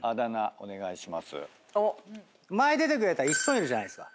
前出てくれたイッソンいるじゃないですか。